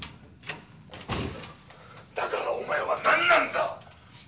「だからお前はなんなんだ！」